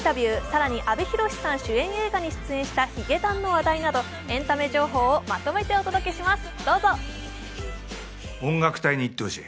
更に阿部寛さん主演映画に出演したヒゲダンの話題などエンタメ情報をまとめてお届けします。